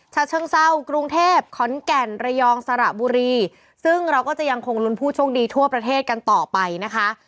ฉะเชิงเศร้ากรุงเทพขอนแก่นระยองสระบุรีซึ่งเราก็จะยังคงลุ้นผู้โชคดีทั่วประเทศกันต่อไปนะคะ